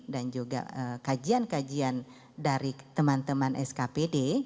dan juga kajian kajian dari teman teman skpd